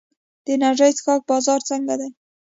د انرژي څښاک بازار څنګه دی؟